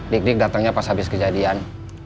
dik dik datangnya pas habis kejadian